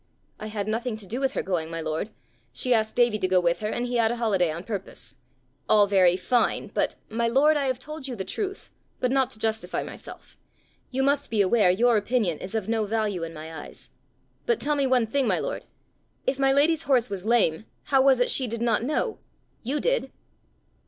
"I had nothing to do with her going, my lord. She asked Davie to go with her, and he had a holiday on purpose." "All very fine, but " "My lord, I have told you the truth, but not to justify myself: you must be aware your opinion is of no value in my eyes! But tell me one thing, my lord: if my lady's horse was lame, how was it she did not know? You did!"